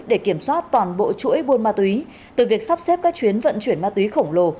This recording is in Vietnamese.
để kiểm soát toàn bộ chuỗi buôn ma túy từ việc sắp xếp các chuyến vận chuyển ma túy khổng lồ